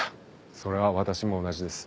それは私も同じです。